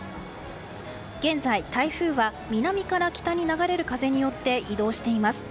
現在、台風は南から北に流れる風によって移動しています。